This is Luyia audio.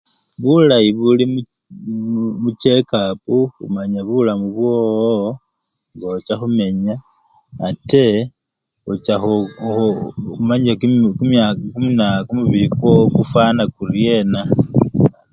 Bulayi buli bu! u! u! muchekapu, omanya bulamu bwowo ngocha khumenya ate khu u! u! u! omane! kimi! an! uu! kumubili kwowo kufwana kuryena.